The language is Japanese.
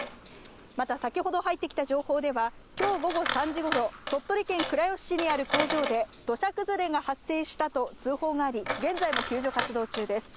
また先ほど入ってきた情報では、きょう午後３時ごろ、鳥取県倉吉市にある工場で、土砂崩れが発生したと通報があり、現在も救助活動中です。